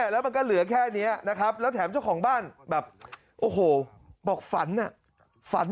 แล้วมันก็เหลือแค่นี้นะครับแล้วแถมเจ้าของบ้านแบบโอ้โหบอกฝันอ่ะฝัน